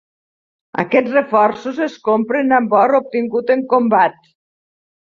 Aquests reforços es compren amb or obtingut en combat.